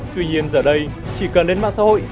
tuy nhiên giờ đây chỉ cần đến mạng xã hội